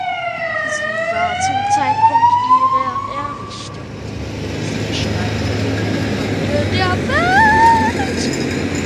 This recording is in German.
Sie war zum Zeitpunkt ihrer Errichtung die größte Steinbogenbrücke der Welt.